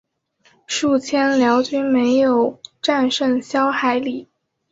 数千辽军没有战胜萧海里。